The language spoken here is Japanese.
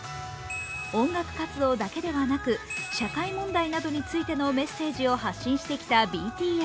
音楽活動だけではなく社会問題などについてのメッセージを発信してきたＢＴＳ。